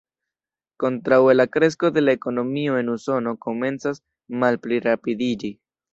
Kontraŭe la kresko de la ekonomio en Usono komencas malplirapidiĝi.